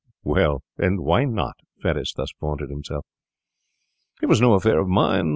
'Well, and why not?' Fettes thus vaunted himself. 'It was no affair of mine.